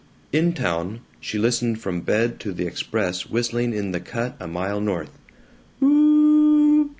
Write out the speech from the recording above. In town, she listened from bed to the express whistling in the cut a mile north.